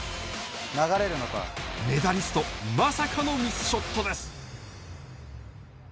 メダリスト、まさかのミスショットです。